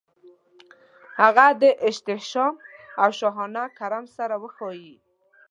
هغه د احتشام او شاهانه کرم سره وښايي.